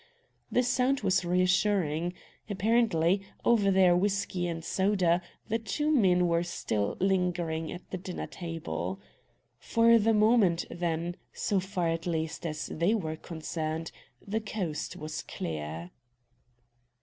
The sound was reassuring. Apparently, over their whiskey and soda the two men were still lingering at the dinner table. For the moment, then so far, at least, as they were concerned the coast was clear.